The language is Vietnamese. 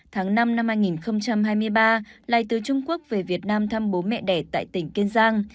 tháng năm năm hai nghìn hai mươi ba lai từ trung quốc về việt nam thăm bố mẹ đẻ tại tỉnh kiên giang